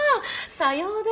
さようで！